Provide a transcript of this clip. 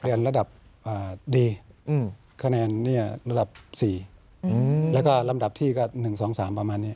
ระดับดีคะแนนเนี่ยระดับ๔แล้วก็ลำดับที่ก็๑๒๓ประมาณนี้